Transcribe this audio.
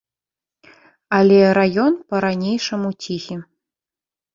Але раён па-ранейшаму ціхі.